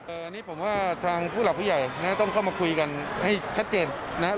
อันนี้ผมว่าทางผู้หลักผู้ใหญ่นะต้องเข้ามาคุยกันให้ชัดเจนนะครับ